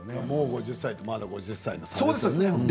もう５０歳とまだ５０歳の差ですね。